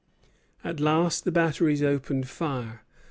At last the batteries opened fire.